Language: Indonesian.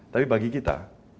tapi bagi kita